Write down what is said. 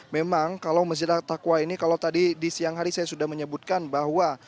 memang kalau masjid takwa ini kalau tadi di siang hari saya sudah menyebutkan bahwa